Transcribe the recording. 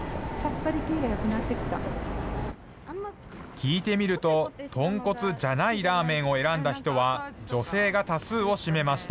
聞いてみると、豚骨じゃないラーメンを選んだ人は、女性が多数を占めました。